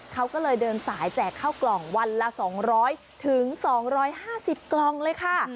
เขาก็เลยเดินสายแจกข้าวกล่องวันละ๒๐๐๒๕๐กล่องเลยค่ะ